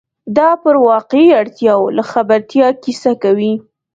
دا پر واقعي اړتیاوو له خبرتیا کیسه کوي.